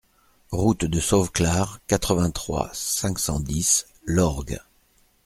Route de Sauveclare, quatre-vingt-trois, cinq cent dix Lorgues